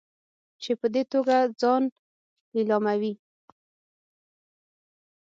چې په دې توګه ځان لیلاموي.